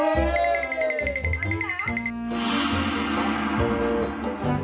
ไม่เลี้ยง